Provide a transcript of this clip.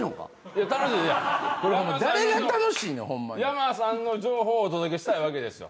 ｙａｍａさんの情報をお届けしたいわけですよ。